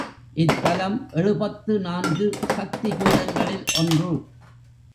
இத்தலம் எழுபத்து நான்கு சக்தி பீடங்களில் ஒன்று.